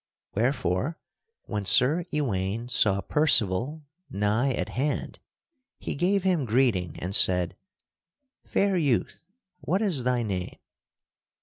Wherefore, when Sir Ewaine saw Percival nigh at hand, he gave him greeting and said, "Fair youth, what is thy name?"